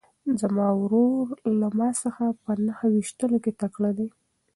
زما ورور له ما څخه په نښه ویشتلو کې تکړه دی.